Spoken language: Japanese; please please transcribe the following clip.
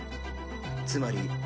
つまり。